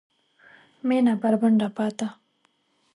مېنه بربنډه پاته